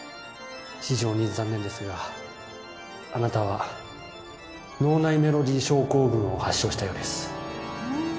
非常に残念ですがあなたは脳内メロディ症候群を発症したようです